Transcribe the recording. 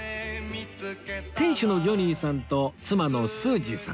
店主のジョニーさんと妻のスージーさん